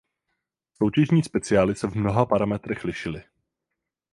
Soutěžní speciály se mnoha parametrech lišily.